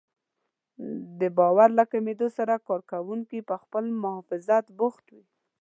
د باور له کمېدو سره کار کوونکي پر خپل محافظت بوخت وي.